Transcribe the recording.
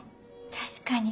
確かに。